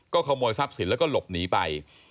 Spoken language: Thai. ขโมยทรัพย์สินแล้วก็หลบหนีไป